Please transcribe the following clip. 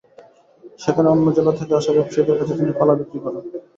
সেখানে অন্য জেলা থেকে আসা ব্যবসায়ীদের কাছে তিনি কলা বিক্রি করেন।